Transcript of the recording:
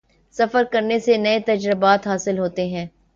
سفر کرنے سے نئے تجربات حاصل ہوتے ہیں